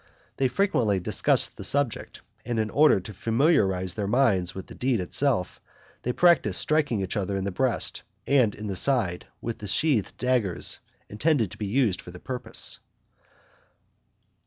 They frequently discussed the subject; and in order to familiarize their minds with the deed itself, they practiced striking each other in the breast and in the side with the sheathed daggers intended to be used for the purpose.